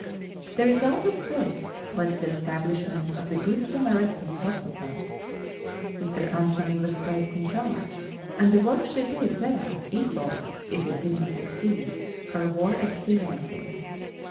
The result of this was the establishment of the Good Samaritan Hospital. Sister Anthony was placed in charge and the work she did there equaled, if it did not exceed, her war experiences.